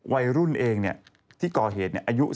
วัยรุ่นเองที่ก่อเหตุอายุ